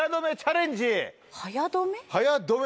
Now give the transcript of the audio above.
早止め？